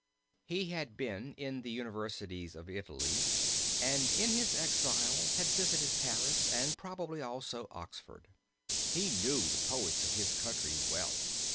He had been in the universities of Italy, and in his exile had visited Paris and probably also Oxford. He knew the poets of his country well.